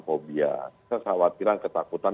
phobia keserawatiran ketakutan